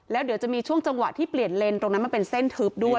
แล้วเดี๋ยวจะมีช่วงจังหวะที่เปลี่ยนเลนส์ตรงนั้นมันเป็นเส้นทึบด้วย